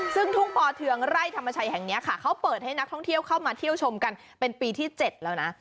ซึ่งทุ่งปอเทืองไร่ธรรมชัยแห่งนี้ค่ะเขาเปิดให้นักท่องเที่ยวเข้ามาเที่ยวชมกันเป็นปีที่๗แล้วนะ